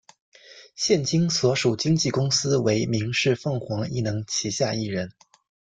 现今所属经纪公司为民视凤凰艺能旗下艺人。